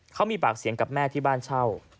เขามีปากเสียงกับแม่ที่บ้านเช่า